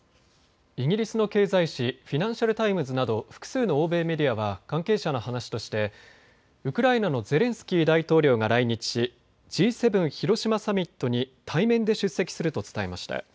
イギリスの経済紙フィナンシャル・タイムズなど複数の欧米メディアは関係者の話としてウクライナのゼレンスキー大統領が来日しＧ７広島サミットに対面で出席すると伝えました。